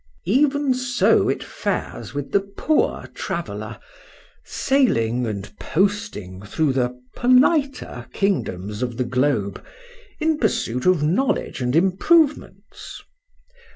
Even so it fares with the Poor Traveller, sailing and posting through the politer kingdoms of the globe, in pursuit of knowledge and improvements.